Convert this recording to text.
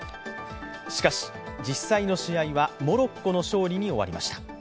しかし、実際の試合はモロッコの勝利に終わりました。